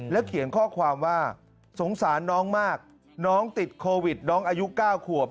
เขียนข้อความว่าสงสารน้องมากน้องติดโควิดน้องอายุ๙ขวบ